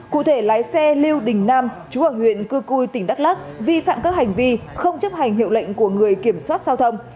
cụ thể lái xe lưu đình nam chú ở huyện cư cui tỉnh đắk lắc vi phạm các hành vi không chấp hành hiệu lệnh của người kiểm soát giao thông